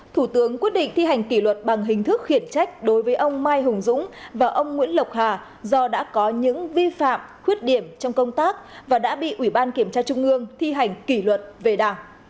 thủ tướng quyết định thi hành kỷ luật bằng hình thức khiển trách đối với ông mai hùng dũng và ông nguyễn lộc hà do đã có những vi phạm khuyết điểm trong công tác và đã bị ubnd thi hành kỷ luật về đảng